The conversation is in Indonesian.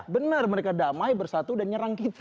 benar mereka damai bersatu dan nyerang kita